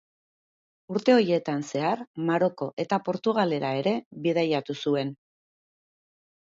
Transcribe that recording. Urte horietan zehar, Maroko eta Portugalera ere bidaiatu zuen.